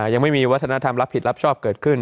ยังไม่มีวัฒนธรรมรับผิดรับชอบเกิดขึ้น